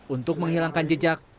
untuk menghilangkan jejak